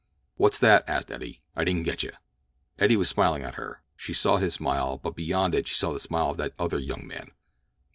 "What's that?" asked Eddie. "I didn't getcha." Eddie was smiling at her. She saw his smile, but beyond it she saw the smile of that other young man.